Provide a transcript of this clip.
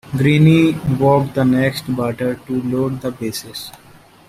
Greene walked the next batter to load the bases.